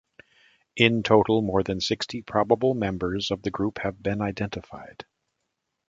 In total more than sixty probable members of the group have been identified.